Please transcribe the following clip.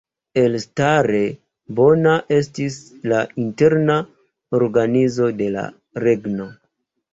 Elstare bona estis la interna organizo de la regno.